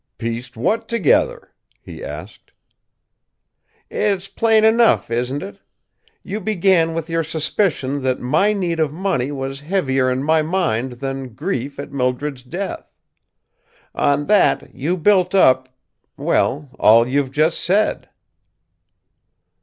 "Pieced what together?" he asked. "It's plain enough, isn't it? You began with your suspicion that my need of money was heavier in my mind than grief at Mildred's death. On that, you built up well, all you've just said."